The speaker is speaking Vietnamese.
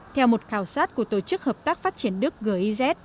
theo một khảo sát của tổ chức hợp tác phát triển đức giz